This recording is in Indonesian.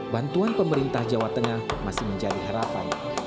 bantuan pemerintah jawa tengah masih menjadi harapan